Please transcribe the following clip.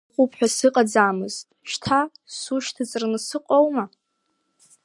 Асҵәҟьа уҟоуп ҳәа сыҟамызт, шьҭа сушьҭыҵраны сыҟоума!